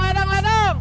ladang ladang ladang